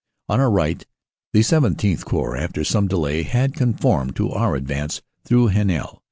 On our right the XVII Corps, after some delay, had con formed to our advance through Heninel.